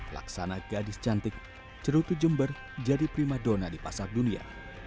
laksana gadis cantik cerutu jember jadi prima donna di pasar dunia